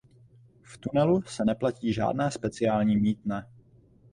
V tunelu se neplatí žádné speciální mýtné.